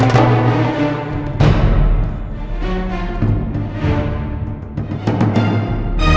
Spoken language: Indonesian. toleh aku pulang dulu ya